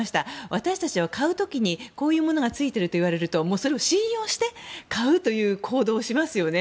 私たちは買う時にこういうものがついてるといわれるとそれを信用して買うという行動をしますよね。